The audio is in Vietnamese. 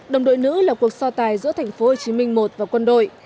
đồng đội nữ là cuộc so tài giữa tp hcm một và quân đội